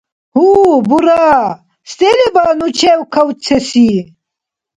Гьу, бура, се леба ну чекавцеси?